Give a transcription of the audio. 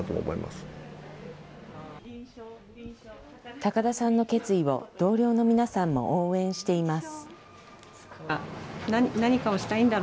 高田さんの決意を同僚の皆さんも応援しています。